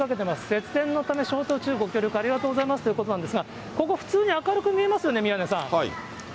節電のため、消灯中、ご協力ありがとうございますということなんですが、ここ、普通に明るく見えますよね、宮根さん。